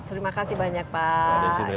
terima kasih banyak pak